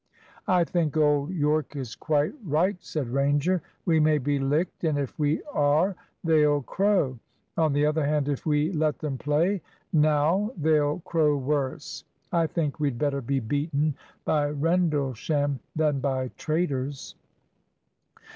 "I think old Yorke is quite right," said Ranger. "We may be licked, and if we are they'll crow. On the other hand, if we let them play now they'll crow worse. I think we'd better be beaten by Rendlesham than by traitors."